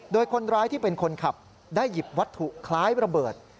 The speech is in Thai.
โดยคนร้ายที่เป็นคนขับได้หยิบวัตถุคล้ายระเบิด